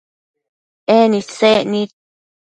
En isec nid